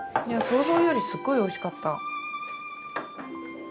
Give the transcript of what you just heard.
想像よりすっごいおいしかった。